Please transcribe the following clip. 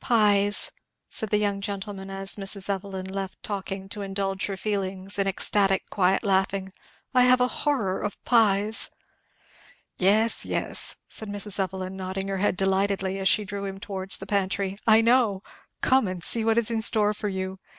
"Pies!" said the young gentleman, as Mrs. Evelyn left talking to indulge her feelings in ecstatic quiet laughing, "I have a horror of pies!" "Yes, yes," said Mrs. Evelyn nodding her head delightedly as she drew him towards the pantry, "I know! Come and see what is in store for you.